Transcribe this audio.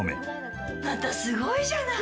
すごいじゃない！